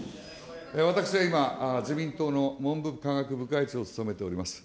私は今、自民党の文部科学部会長を務めております。